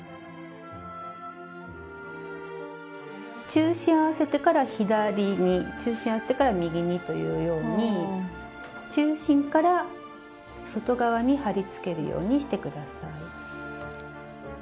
中心を合わせてから左に中心を合わせてから右にというように中心から外側に貼り付けるようにして下さい。